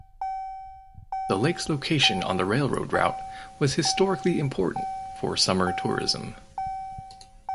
The lake’s location on the railroad route was historically important for summer tourism.